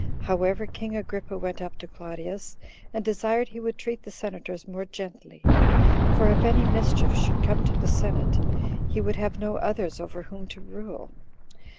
However, king Agrippa went up to Claudius, and desired he would treat the senators more gently; for if any mischief should come to the senate, he would have no others over whom to rule.